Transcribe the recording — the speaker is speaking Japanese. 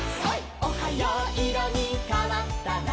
「おはよういろにかわったら」